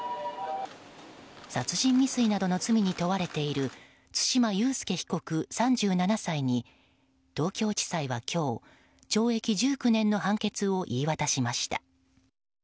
殺人未遂などの罪に問われている対馬悠介被告、３７歳に東京地裁は今日、懲役１９年の判決を言い渡しました。